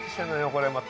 これまた。